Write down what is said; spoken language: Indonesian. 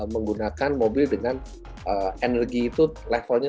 menggunakan mobil dengan energi itu levelnya